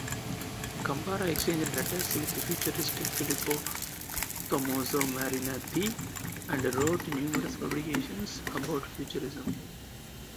Kambara exchanged letters with futurist Filippo Tommaso Marinetti and wrote numerous publications about futurism.